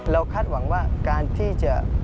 คาดหวังว่าการที่จะ